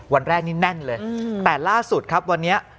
วันแรกนี่แน่นเลยแต่ล่าสุดครับวันนี้